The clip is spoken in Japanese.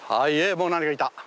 もうなんかいた。